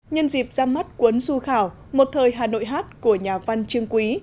nhân dịp ra mắt cuốn du khảo một thời hà nội hát của nhà văn trương quý